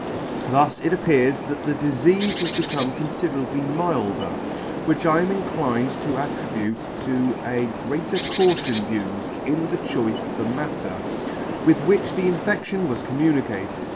Thus it appears that the difeafe has become confiderably milder; which I am inclined to at tribute to a greater caution ufed in the choice of the matter, with which the infection was communicated.